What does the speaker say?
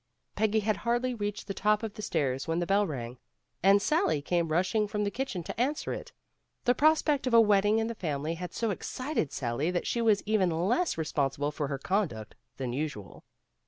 Peggy had hardly reached the top of the stairs when the bell rang, and Sally came rush ing from the kitchen to answer it. The pros pect of a wedding in the family had so excited Sally that she was even less responsible for her conduct than usual.